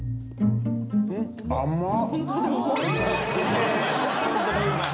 甘っ。